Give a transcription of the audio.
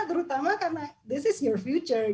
terutama karena ini future